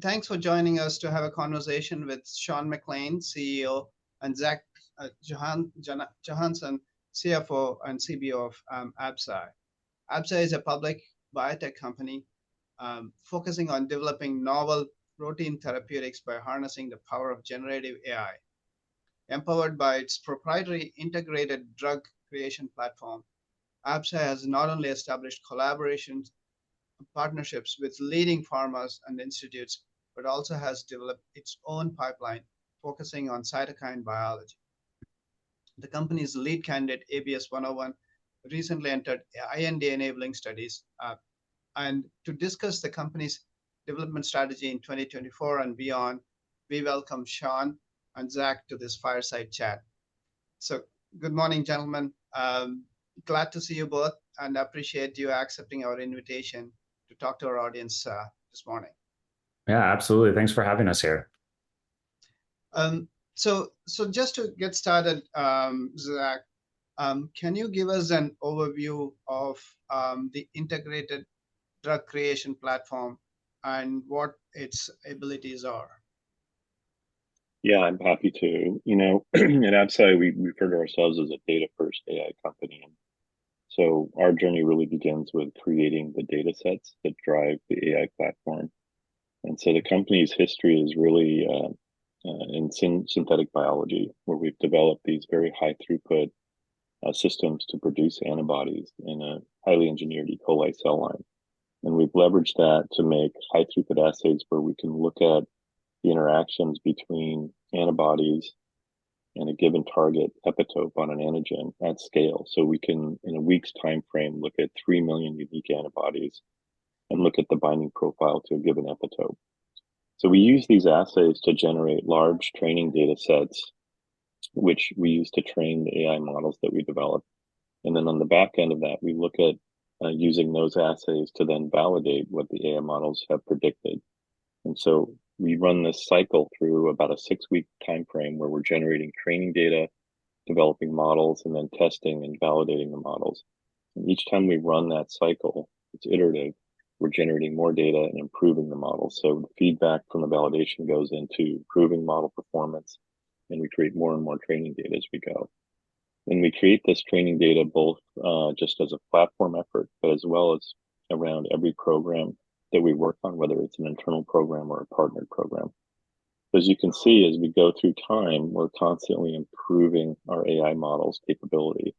Thanks for joining us to have a conversation with Sean McClain, CEO, and Zach Jonasson, CFO and CBO of Absci. Absci is a public biotech company focusing on developing novel protein therapeutics by harnessing the power of generative AI. Empowered by its proprietary integrated drug creation platform, Absci has not only established collaborations and partnerships with leading pharmas and institutes, but also has developed its own pipeline focusing on cytokine biology. The company's lead candidate, ABS-101, recently entered IND enabling studies. And to discuss the company's development strategy in 2024 and beyond, we welcome Sean and Zach to this fireside chat. Good morning, gentlemen. Glad to see you both, and appreciate you accepting our invitation to talk to our audience this morning. Yeah, absolutely. Thanks for having us here. So, just to get started, Zach, can you give us an overview of the Integrated Drug Creation Platform and what its abilities are? Yeah, I'm happy to. You know, at Absci, we refer to ourselves as a data-first AI company. So our journey really begins with creating the data sets that drive the AI platform. And so the company's history is really in synthetic biology, where we've developed these very high-throughput systems to produce antibodies in a highly engineered E. coli cell line. And we've leveraged that to make high-throughput assays where we can look at the interactions between antibodies and a given target epitope on an antigen at scale. So we can, in a week's timeframe, look at 3 million unique antibodies and look at the binding profile to a given epitope. So we use these assays to generate large training data sets, which we use to train the AI models that we develop. And then on the back end of that, we look at using those assays to then validate what the AI models have predicted. And so we run this cycle through about a 6-week timeframe where we're generating training data, developing models, and then testing and validating the models. And each time we run that cycle, it's iterative. We're generating more data and improving the models. So feedback from the validation goes into improving model performance. And we create more and more training data as we go. And we create this training data both just as a platform effort, but as well as around every program that we work on, whether it's an internal program or a partnered program. As you can see, as we go through time, we're constantly improving our AI models' capability.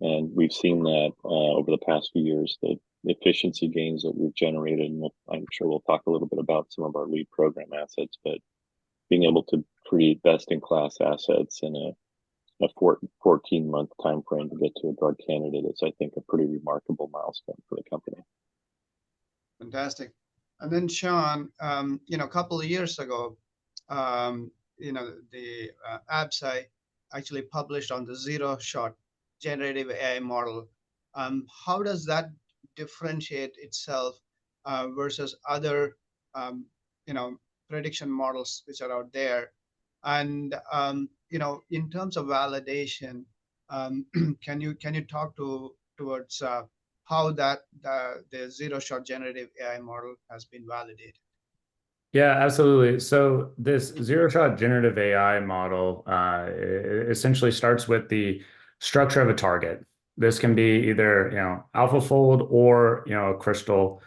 We've seen that over the past few years, the efficiency gains that we've generated, and I'm sure we'll talk a little bit about some of our lead program assets, but being able to create best-in-class assets in a 14-month timeframe to get to a drug candidate is, I think, a pretty remarkable milestone for the company. Fantastic. And then, Sean, a couple of years ago, Absci actually published on the Zero-Shot Generative AI model. How does that differentiate itself versus other prediction models which are out there? And in terms of validation, can you talk towards how the Zero-Shot Generative AI model has been validated? Yeah, absolutely. So this Zero-Shot Generative AI model essentially starts with the structure of a target. This can be either AlphaFold or a crystal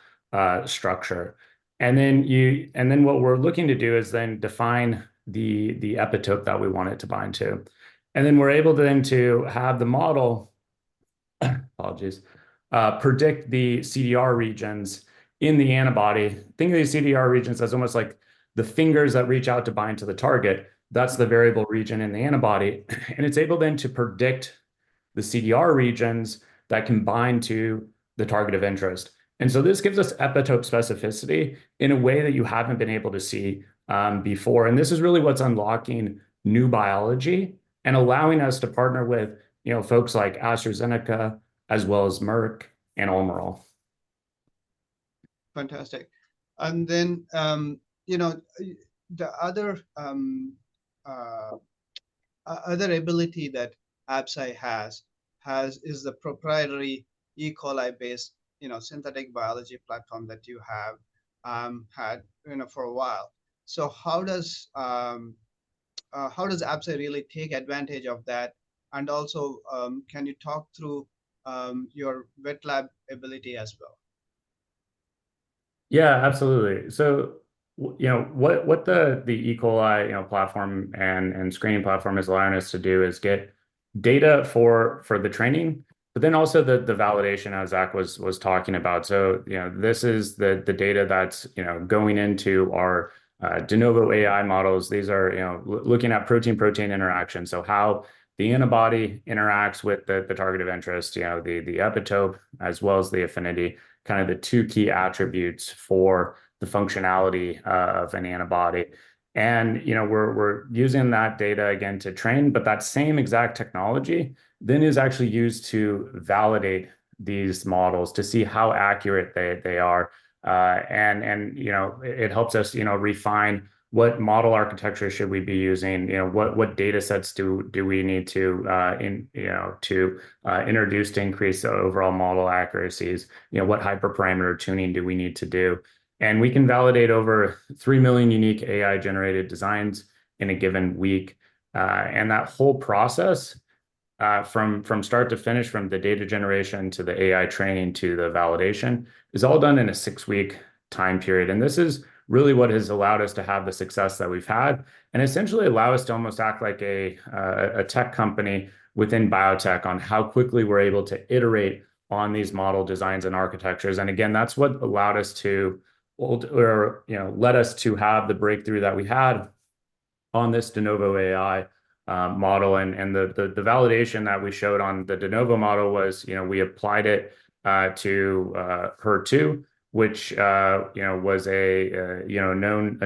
structure. And then what we're looking to do is then define the epitope that we want it to bind to. And then we're able then to have the model predict the CDR regions in the antibody. Think of these CDR regions as almost like the fingers that reach out to bind to the target. That's the variable region in the antibody. And it's able then to predict the CDR regions that can bind to the target of interest. And so this gives us epitope specificity in a way that you haven't been able to see before. And this is really what's unlocking new biology and allowing us to partner with folks like AstraZeneca, as well as Merck and Almirall. Fantastic. And then the other ability that Absci has is the proprietary E. coli-based synthetic biology platform that you have had for a while. So how does Absci really take advantage of that? And also, can you talk through your wet lab ability as well? Yeah, absolutely. So what the E. coli platform and screening platform is allowing us to do is get data for the training, but then also the validation, as Zach was talking about. So this is the data that's going into our de novo AI models. These are looking at protein-protein interactions. So how the antibody interacts with the target of interest, the epitope, as well as the affinity, kind of the two key attributes for the functionality of an antibody. And we're using that data, again, to train, but that same exact technology then is actually used to validate these models to see how accurate they are. And it helps us refine what model architecture should we be using? What data sets do we need to introduce to increase overall model accuracies? What hyperparameter tuning do we need to do? We can validate over 3 million unique AI-generated designs in a given week. That whole process, from start to finish, from the data generation to the AI training to the validation, is all done in a 6-week time period. This is really what has allowed us to have the success that we've had and essentially allow us to almost act like a tech company within biotech on how quickly we're able to iterate on these model designs and architectures. Again, that's what allowed us to or led us to have the breakthrough that we had on this de novo AI model. The validation that we showed on the de novo model was we applied it to HER2, which was a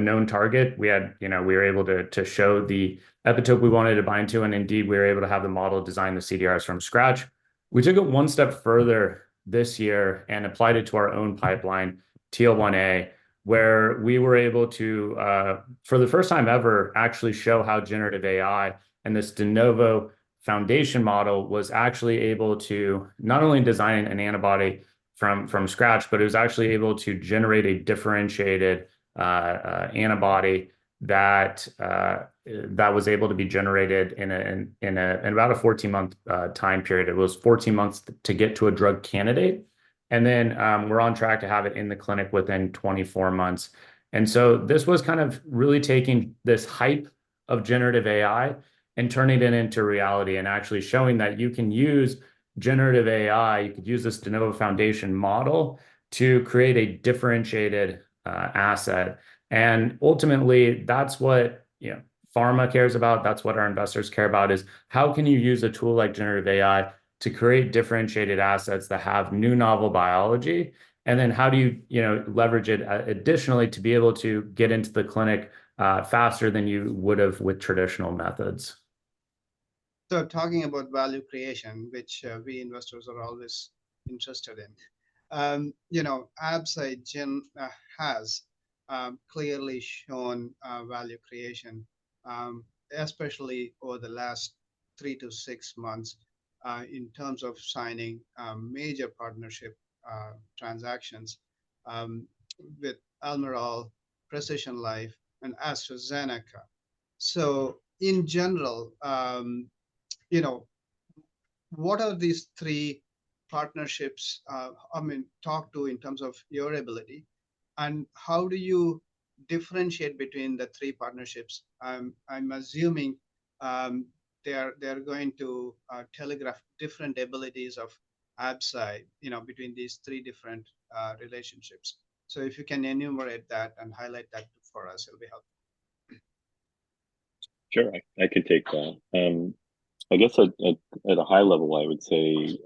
known target. We were able to show the epitope we wanted to bind to. Indeed, we were able to have the model design the CDRs from scratch. We took it one step further this year and applied it to our own pipeline, TL1A, where we were able to, for the first time ever, actually show how generative AI and this de novo foundation model was actually able to not only design an antibody from scratch, but it was actually able to generate a differentiated antibody that was able to be generated in about a 14-month time period. It was 14 months to get to a drug candidate. And then we're on track to have it in the clinic within 24 months. And so this was kind of really taking this hype of generative AI and turning it into reality and actually showing that you can use generative AI, you could use this de novo foundation model to create a differentiated asset. Ultimately, that's what pharma cares about. That's what our investors care about, is how can you use a tool like generative AI to create differentiated assets that have new novel biology? And then how do you leverage it additionally to be able to get into the clinic faster than you would have with traditional methods? So talking about value creation, which we investors are always interested in, Absci has clearly shown value creation, especially over the last 3-6 months, in terms of signing major partnership transactions with Almirall, PrecisionLife, and AstraZeneca. So in general, what are these three partnerships I mean, talk to in terms of your ability? And how do you differentiate between the three partnerships? I'm assuming they're going to telegraph different abilities of Absci between these three different relationships. So if you can enumerate that and highlight that for us, it'll be helpful. Sure. I can take that. I guess at a high level, I would say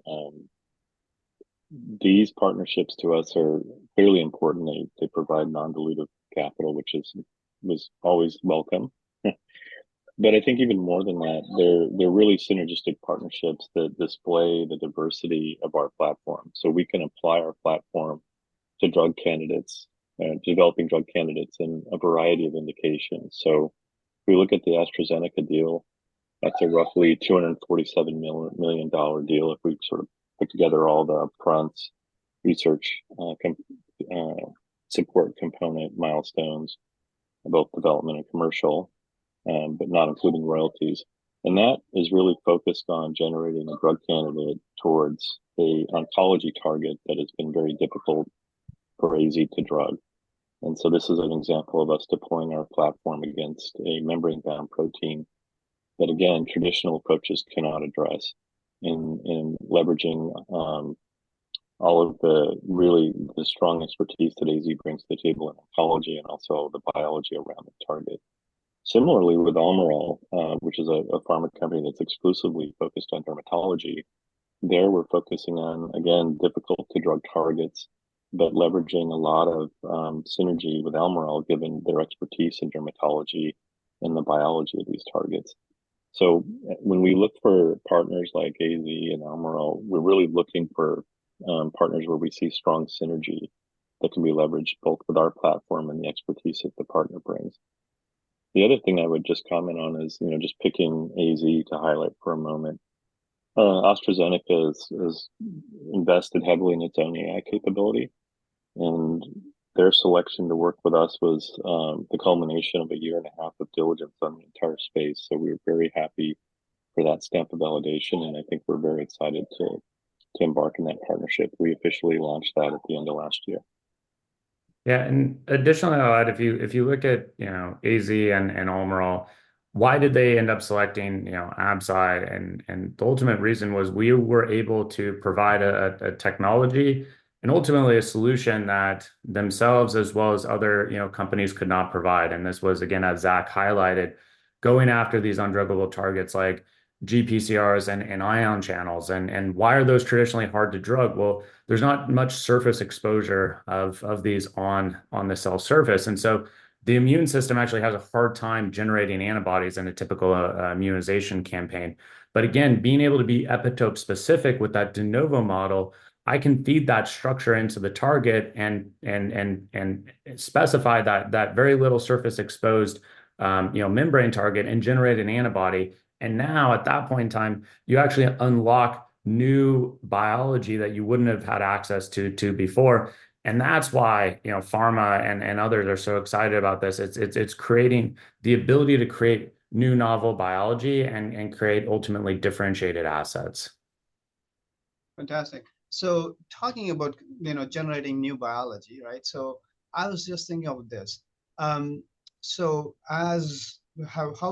these partnerships to us are fairly important. They provide non-dilutive capital, which was always welcome. But I think even more than that, they're really synergistic partnerships that display the diversity of our platform. So we can apply our platform to drug candidates, developing drug candidates, in a variety of indications. So if we look at the AstraZeneca deal, that's a roughly $247 million deal if we sort of put together all the fronts, research support component milestones, both development and commercial, but not including royalties. And that is really focused on generating a drug candidate towards an oncology target that has been very difficult or easy to drug. And so this is an example of us deploying our platform against a membrane-bound protein that, again, traditional approaches cannot address in leveraging all of the really strong expertise that AZ brings to the table in oncology and also the biology around the target. Similarly, with Almirall, which is a pharma company that's exclusively focused on dermatology, there we're focusing on, again, difficult-to-drug targets, but leveraging a lot of synergy with Almirall, given their expertise in dermatology and the biology of these targets. So when we look for partners like AZ and Almirall, we're really looking for partners where we see strong synergy that can be leveraged both with our platform and the expertise that the partner brings. The other thing I would just comment on is just picking AZ to highlight for a moment. AstraZeneca has invested heavily in its own AI capability. Their selection to work with us was the culmination of a year and a half of diligence on the entire space. So we were very happy for that stamp of validation. I think we're very excited to embark on that partnership. We officially launched that at the end of last year. Yeah. And additionally, I'll add, if you look at AZ and Almirall, why did they end up selecting Absci? And the ultimate reason was we were able to provide a technology and ultimately a solution that themselves, as well as other companies, could not provide. And this was, again, as Zach highlighted, going after these undruggable targets like GPCRs and Ion channels. And why are those traditionally hard to drug? Well, there's not much surface exposure of these on the cell surface. And so the immune system actually has a hard time generating antibodies in a typical immunization campaign. But again, being able to be epitope-specific with that de novo model, I can feed that structure into the target and specify that very little surface-exposed membrane target and generate an antibody. Now, at that point in time, you actually unlock new biology that you wouldn't have had access to before. That's why pharma and others are so excited about this. It's creating the ability to create new novel biology and create ultimately differentiated assets. Fantastic. So talking about generating new biology, right? So I was just thinking of this. So how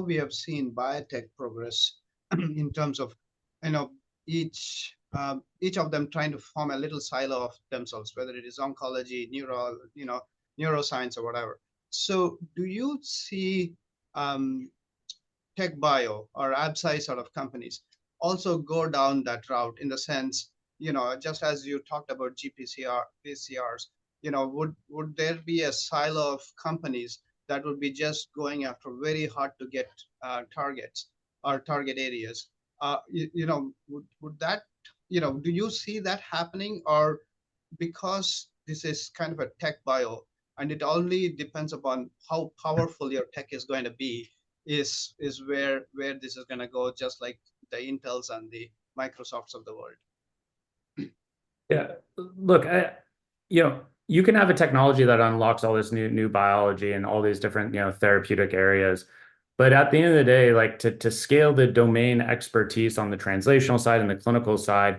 we have seen biotech progress in terms of each of them trying to form a little silo of themselves, whether it is oncology, neuroscience, or whatever. So do you see TechBio or Absci sort of companies also go down that route in the sense, just as you talked about GPCRs, would there be a silo of companies that would be just going after very hard-to-get targets or target areas? Would that—do you see that happening? Or because this is kind of a TechBio and it only depends upon how powerful your tech is going to be, is where this is going to go, just like the Intels and the Microsofts of the world? Yeah. Look, you can have a technology that unlocks all this new biology and all these different therapeutic areas. But at the end of the day, to scale the domain expertise on the translational side and the clinical side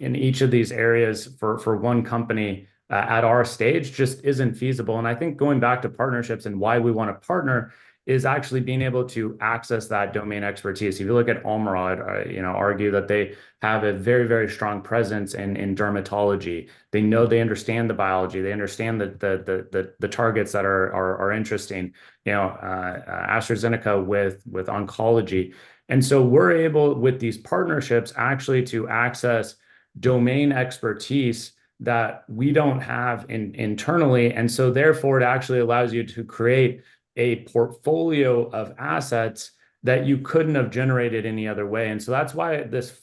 in each of these areas for one company at our stage just isn't feasible. And I think going back to partnerships and why we want to partner is actually being able to access that domain expertise. If you look at Almirall, I'd argue that they have a very, very strong presence in dermatology. They know, they understand the biology. They understand the targets that are interesting. AstraZeneca with oncology. And so we're able, with these partnerships, actually to access domain expertise that we don't have internally. And so therefore, it actually allows you to create a portfolio of assets that you couldn't have generated any other way. And so that's why this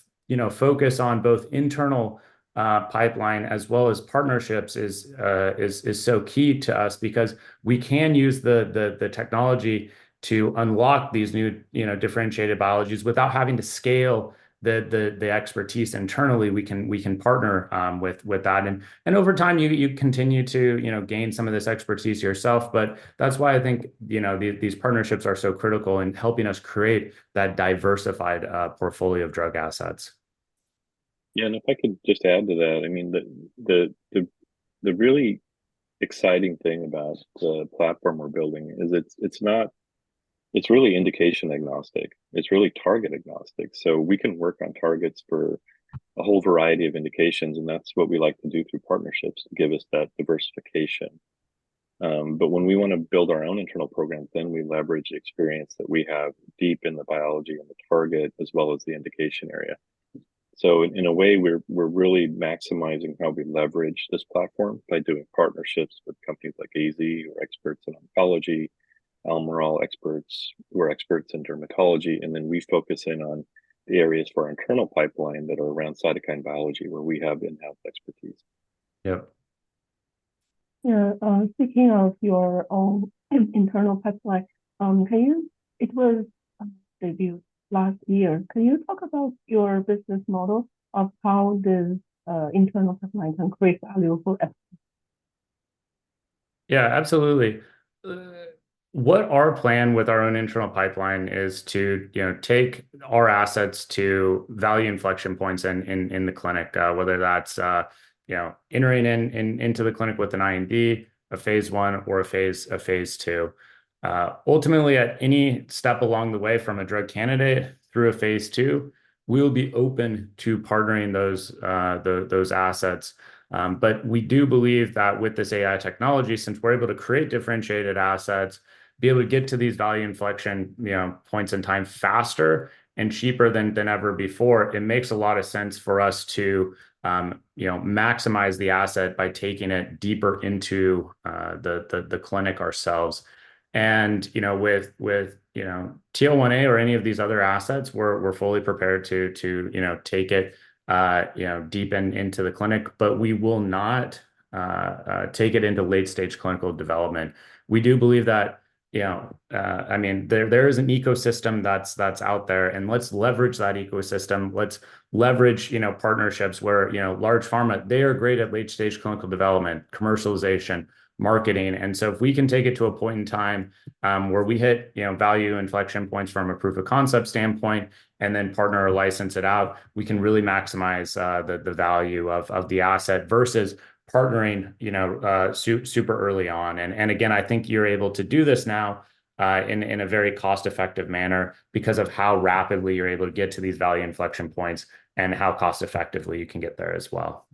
focus on both internal pipeline as well as partnerships is so key to us because we can use the technology to unlock these new differentiated biologics without having to scale the expertise internally. We can partner with that. And over time, you continue to gain some of this expertise yourself. But that's why I think these partnerships are so critical in helping us create that diversified portfolio of drug assets. Yeah. And if I could just add to that, I mean, the really exciting thing about the platform we're building is it's really indication-agnostic. It's really target-agnostic. So we can work on targets for a whole variety of indications. And that's what we like to do through partnerships to give us that diversification. But when we want to build our own internal program, then we leverage the experience that we have deep in the biology and the target, as well as the indication area. So in a way, we're really maximizing how we leverage this platform by doing partnerships with companies like AZ who are experts in oncology, Almirall experts who are experts in dermatology. And then we focus in on the areas for our internal pipeline that are around cytokine biology where we have in-house expertise. Yep. Yeah. Speaking of your own internal pipeline, it was last year. Can you talk about your business model of how this internal pipeline can create value for Absci? Yeah, absolutely. What our plan with our own internal pipeline is to take our assets to value inflection points in the clinic, whether that's entering into the clinic with an IND, phase 1, or phase 2. Ultimately, at any step along the way from a drug candidate through phase 2, we will be open to partnering those assets. But we do believe that with this AI technology, since we're able to create differentiated assets, be able to get to these value inflection points in time faster and cheaper than ever before, it makes a lot of sense for us to maximize the asset by taking it deeper into the clinic ourselves. And with TL1A or any of these other assets, we're fully prepared to take it deep into the clinic, but we will not take it into late-stage clinical development. We do believe that I mean, there is an ecosystem that's out there. Let's leverage that ecosystem. Let's leverage partnerships where large pharma, they are great at late-stage clinical development, commercialization, marketing. So if we can take it to a point in time where we hit value inflection points from a proof of concept standpoint and then partner or license it out, we can really maximize the value of the asset versus partnering super early on. Again, I think you're able to do this now in a very cost-effective manner because of how rapidly you're able to get to these value inflection points and how cost-effectively you can get there as well.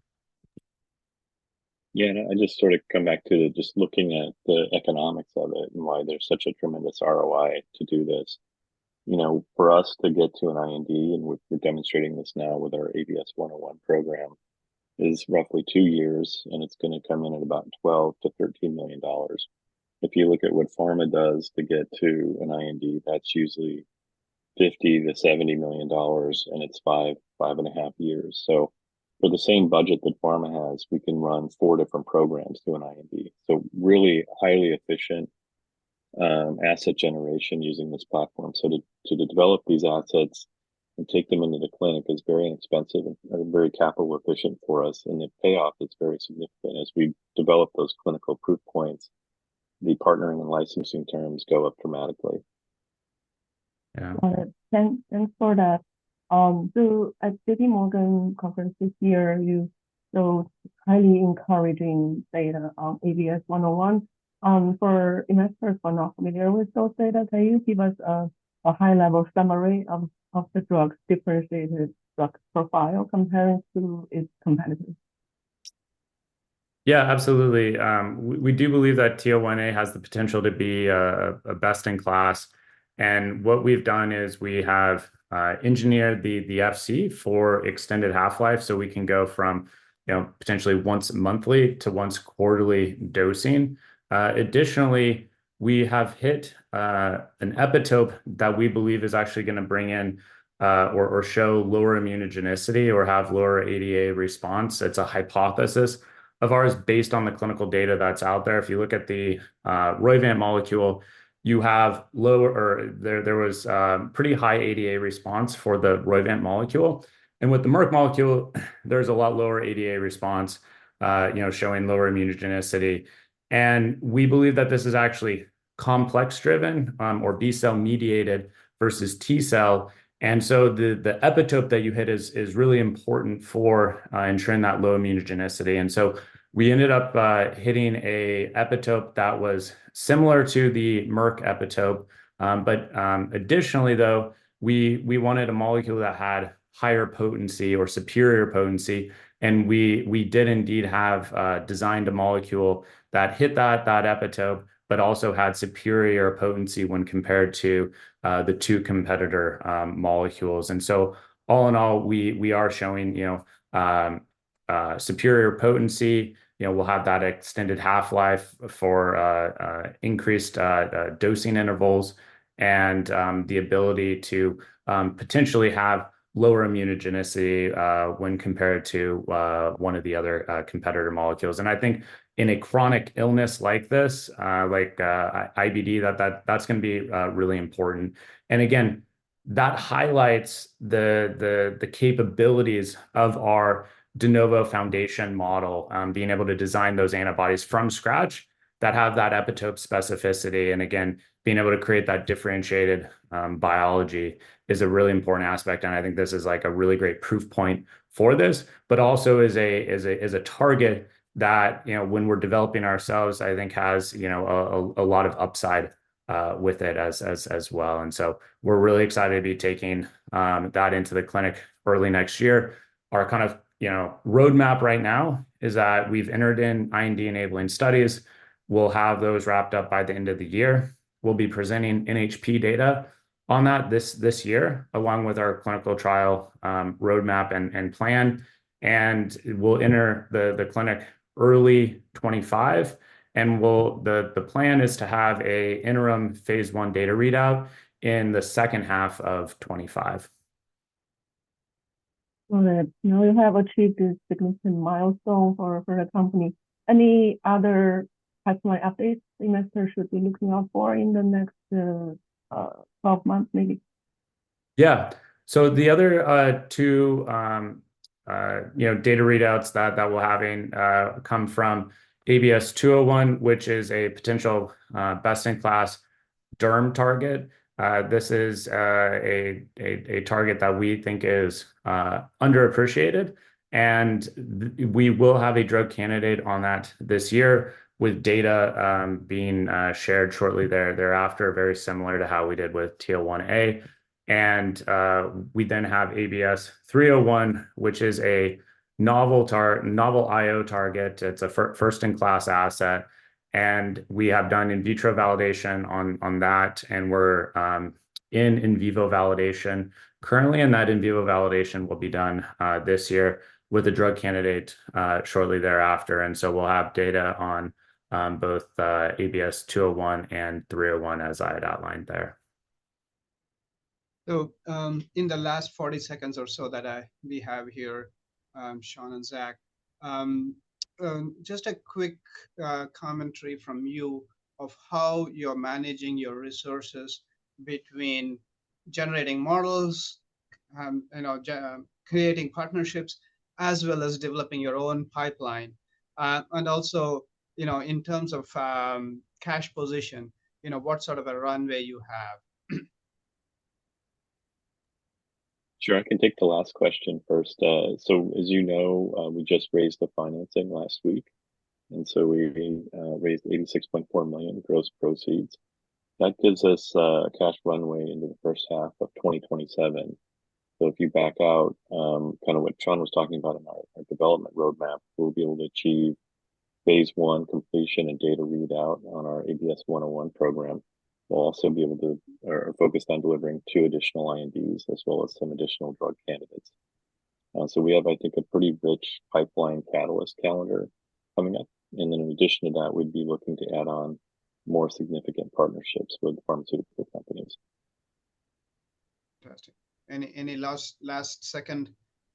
Yeah. I just sort of come back to just looking at the economics of it and why there's such a tremendous ROI to do this. For us to get to an IND, and we're demonstrating this now with our ABS-101 program, is roughly 2 years. It's going to come in at about $12-$13 million. If you look at what pharma does to get to an IND, that's usually $50-$70 million. It's 5 and a half years. So for the same budget that pharma has, we can run 4 different programs to an IND. So really highly efficient asset generation using this platform. So to develop these assets and take them into the clinic is very inexpensive and very capital-efficient for us. The payoff is very significant. As we develop those clinical proof points, the partnering and licensing terms go up dramatically. Yeah. Got it. Thanks for that. So at JPMorgan Conference this year, you showed highly encouraging data on ABS-101. For investors who are not familiar with those data, can you give us a high-level summary of the drug's differentiated drug profile compared to its competitors? Yeah, absolutely. We do believe that TL1A has the potential to be a best-in-class. And what we've done is we have engineered the Fc for extended half-life so we can go from potentially once monthly to once quarterly dosing. Additionally, we have hit an epitope that we believe is actually going to bring in or show lower immunogenicity or have lower ADA response. It's a hypothesis of ours based on the clinical data that's out there. If you look at the Roivant molecule, you have lower or there was pretty high ADA response for the Roivant molecule. And with the Merck molecule, there's a lot lower ADA response showing lower immunogenicity. And we believe that this is actually complex-driven or B-cell mediated versus T-cell. And so the epitope that you hit is really important for ensuring that low immunogenicity. And so we ended up hitting an epitope that was similar to the Merck epitope. But additionally, though, we wanted a molecule that had higher potency or superior potency. And we did indeed have designed a molecule that hit that epitope but also had superior potency when compared to the two competitor molecules. And so all in all, we are showing superior potency. We'll have that extended half-life for increased dosing intervals and the ability to potentially have lower immunogenicity when compared to one of the other competitor molecules. And I think in a chronic illness like this, like IBD, that's going to be really important. And again, that highlights the capabilities of our de novo foundation model, being able to design those antibodies from scratch that have that epitope specificity. And again, being able to create that differentiated biology is a really important aspect. I think this is a really great proof point for this, but also is a target that when we're developing ourselves, I think, has a lot of upside with it as well. So we're really excited to be taking that into the clinic early next year. Our kind of roadmap right now is that we've entered in IND-enabling studies. We'll have those wrapped up by the end of the year. We'll be presenting NHP data on that this year, along with our clinical trial roadmap and plan. We'll enter the clinic early 2025. The plan is to have an interim phase one data readout in the second half of 2025. Got it. Now you have achieved this significant milestone for the company. Any other pipeline updates investors should be looking out for in the next 12 months, maybe? Yeah. So the other two data readouts that we'll have come from ABS-201, which is a potential best-in-class derm target. This is a target that we think is underappreciated. And we will have a drug candidate on that this year, with data being shared shortly thereafter, very similar to how we did with TL1A. And we then have ABS-301, which is a novel I/O target. It's a first-in-class asset. And we have done in vitro validation on that. And we're in in vivo validation currently, and that in vivo validation will be done this year with a drug candidate shortly thereafter. And so we'll have data on both ABS-201 and ABS-301, as I had outlined there. In the last 40 seconds or so that we have here, Sean and Zach, just a quick commentary from you of how you're managing your resources between generating models, creating partnerships, as well as developing your own pipeline. In terms of cash position, what sort of a runway you have? Sure. I can take the last question first. So as you know, we just raised the financing last week. And so we raised $86.4 million gross proceeds. That gives us a cash runway into the first half of 2027. So if you back out kind of what Sean was talking about in our development roadmap, we'll be able to achieve phase one completion and data readout on our ABS-101 program. We'll also be able to are focused on delivering two additional INDs as well as some additional drug candidates. So we have, I think, a pretty rich pipeline catalyst calendar coming up. And then in addition to that, we'd be looking to add on more significant partnerships with pharmaceutical companies. Fantastic. Any last-second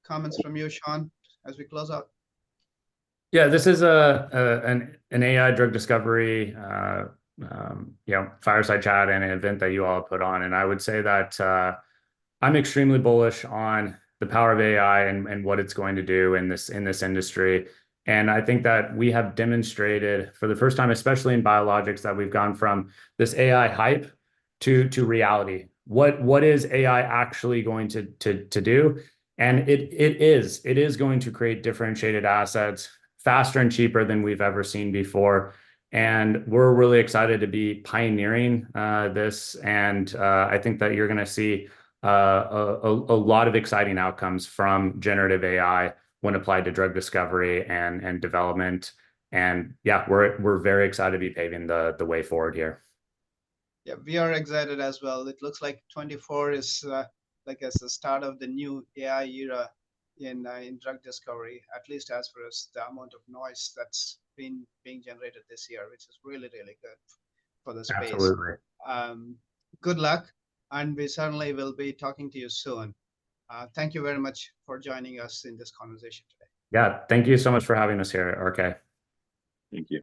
comments from you, Sean, as we close out? Yeah. This is an AI drug discovery fireside chat and an event that you all put on. I would say that I'm extremely bullish on the power of AI and what it's going to do in this industry. I think that we have demonstrated for the first time, especially in biologics, that we've gone from this AI hype to reality. What is AI actually going to do? It is. It is going to create differentiated assets faster and cheaper than we've ever seen before. We're really excited to be pioneering this. I think that you're going to see a lot of exciting outcomes from generative AI when applied to drug discovery and development. Yeah, we're very excited to be paving the way forward here. Yeah. We are excited as well. It looks like 2024 is, I guess, the start of the new AI era in drug discovery, at least as far as the amount of noise that's being generated this year, which is really, really good for the space. Absolutely. Good luck. We certainly will be talking to you soon. Thank you very much for joining us in this conversation today. Yeah. Thank you so much for having us here, RK. Thank you.